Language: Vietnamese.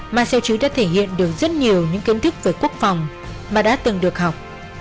marcel chứa đã thể hiện được rất nhiều những kiến thức về quốc phòng mà đã từng được học